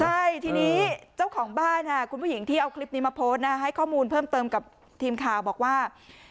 ใช่ทีนี้เจ้าของบ้านคุณผู้หญิงที่เอาคลิปนี้มาโพสต์นะให้ข้อมูลเพิ่มเติมกับทีมข่าวบอกว่า